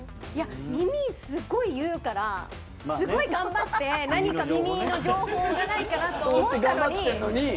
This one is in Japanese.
耳すっごい言うからすごい頑張って何か耳の情報がないかなと思ったのに。